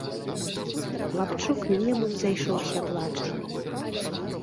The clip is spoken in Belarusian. Хлапчук немым зайшоўся плачам.